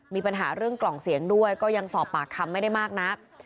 มีปัญหาเรื่องกล่องเสียงด้วยก็ยังสอบปากคำไม่ได้มากนัก